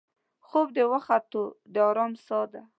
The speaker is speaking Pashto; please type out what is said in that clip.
خوب د وختو د ارام سا ده